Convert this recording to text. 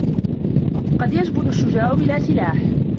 قد يجبن الشجاع بلا سلاح